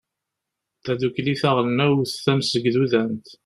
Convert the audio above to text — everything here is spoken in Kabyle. tadukli taɣelnawt tamsegdudant